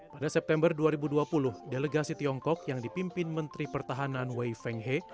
pada september dua ribu dua puluh delegasi tiongkok yang dipimpin menteri pertahanan wei feng he